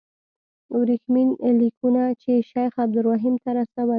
ورېښمین لیکونه یې شیخ عبدالرحیم ته رسول.